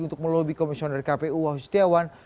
untuk melobi komisioner kpu wahyu setiawan